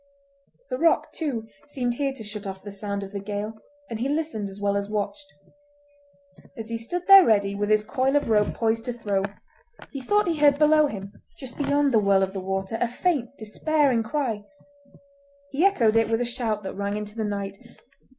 The rock, too, seemed here to shut off the sound of the gale, and he listened as well as watched. As he stood there ready, with his coil of rope poised to throw, he thought he heard below him, just beyond the whirl of the water, a faint, despairing cry. He echoed it with a shout that rang into the night.